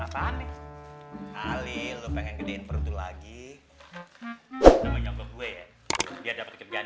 hai apaan nih kali lu pengen gedein perlu lagi sama nyokap gue ya biar dapat kegiatan